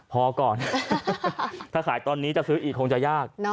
พอก่อนถ้าขายตอนนี้จะซื้ออีกคงจะยาก